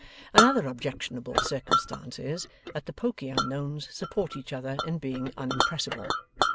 Another objectionable circumstance is, that the pokey unknowns support each other in being unimpressible.